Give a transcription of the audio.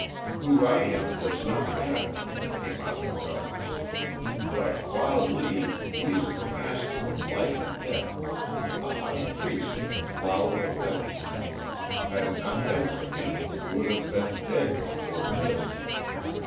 "Who I am does not matter," came out of the darkness, "but Wah Lee he is the master of life and death the high priest of the Flower of Heaven. Had it not been for him you would have been dead before this."